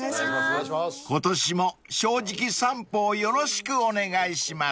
［今年も『正直さんぽ』をよろしくお願いします］